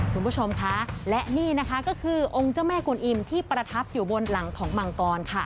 คุณผู้ชมคะและนี่นะคะก็คือองค์เจ้าแม่กวนอิมที่ประทับอยู่บนหลังของมังกรค่ะ